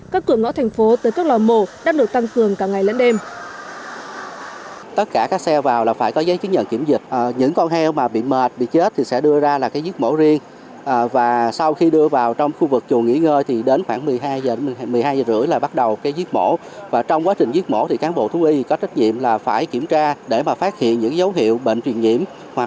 các cửa ngõ thành phố tới các lò mổ đã được tăng cường cả ngày lẫn đêm